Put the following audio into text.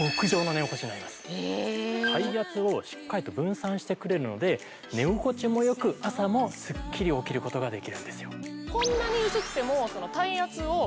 体圧をしっかりと分散してくれるので寝心地もよく朝もスッキリ起きることができるんですよ